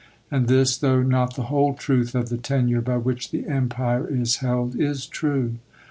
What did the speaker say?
And this, though not the whole truth of the tenure by which the Empire is held, is true.